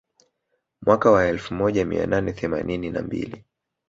Mwaka wa elfu moja mia nane themanini na mbili